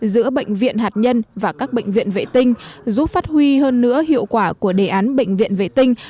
giữa bệnh viện hạt nhân và các bệnh viện vệ tinh giúp phát huy hơn nữa hiệu quả của đề án bệnh viện vệ tinh